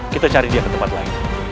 kita cari dia ke tempat lain